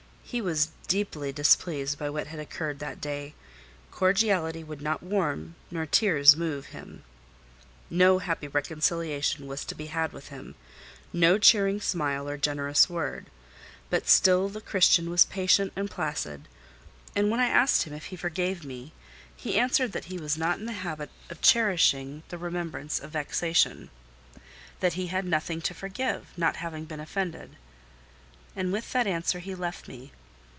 He was deeply displeased by what had occurred that day; cordiality would not warm, nor tears move him. No happy reconciliation was to be had with him—no cheering smile or generous word: but still the Christian was patient and placid; and when I asked him if he forgave me, he answered that he was not in the habit of cherishing the remembrance of vexation; that he had nothing to forgive, not having been offended. And with that answer he left me.